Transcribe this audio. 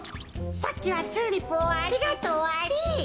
さっきはチューリップをありがとうアリ。